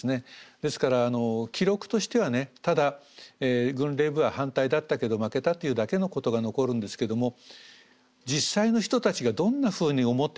ですから記録としてはねただ軍令部は反対だったけど負けたというだけのことが残るんですけども実際の人たちがどんなふうに思ってたか。